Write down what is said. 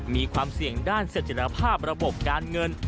มีความเสี่ยงด้านเสร็จรภาพระบบการเงิน